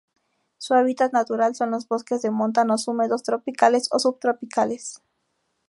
Su hábitat natural son los bosques de montanos húmedos tropicales o subtropicales.